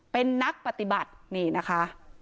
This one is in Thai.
เป็นนักปฏิบัตินี่นะคะ